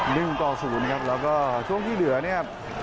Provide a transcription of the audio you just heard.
หนึ่งต่อศูนย์ครับแล้วก็ช่วงที่เหลือเนี่ย